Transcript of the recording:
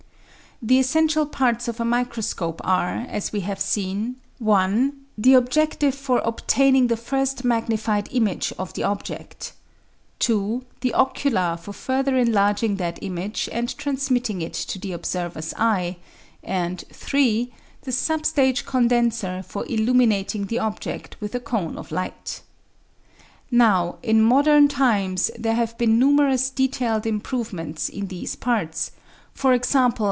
The essential parts of a microscope are, as we have seen, ( 1 ) the objective for obtaining the first magnified image of the object; (2) the ocular for further enlarging that image and transmitting it to the observer's eye; and (3) the sub stage condenser for il luminating the object with a cone of light. Now, in modem times, there have been numerous detailed improvements in these SU The Outline of Science parts, e.